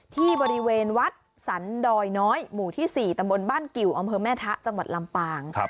ที่บริเวณวัดสันดอยน้อยหมู่ที่๔ตำบลบ้านกิวอำเภอแม่ทะจังหวัดลำปาง